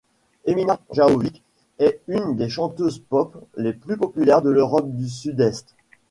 Emina Jahović est une des chanteuses pop les plus populaires de l'Europe du Sud-Est.